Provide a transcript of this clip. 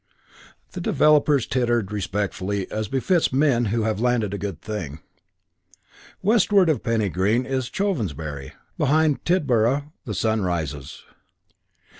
The developers tittered respectfully as befits men who have landed a good thing. Westward of Penny Green is Chovensbury; behind Tidborough the sun rises.